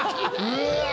うわ。